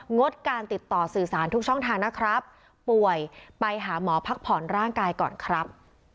งดการติดต่อสื่อสารทุกช่องทางนะครับป่วยไปหาหมอพักผ่อนร่างกายก่อนครับ